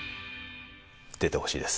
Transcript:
出てほしいです。